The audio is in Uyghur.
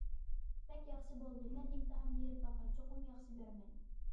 بەك ياخشى بولدى، مەن ئىمتىھان بېرىپ باقاي، چوقۇم ياخشى بېرىمەن!